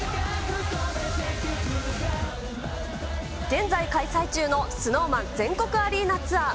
現在開催中のＳｎｏｗＭａｎ全国アリーナツアー。